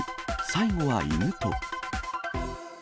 最後は犬と。